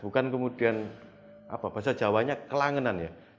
bukan kemudian bahasa jawanya kelangenan ya